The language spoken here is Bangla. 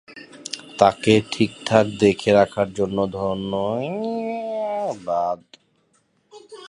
তাকে ঠিকঠাক দেখে রাখার জন্য ধন্যবাদ।